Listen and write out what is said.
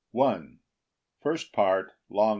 First Part. L. M.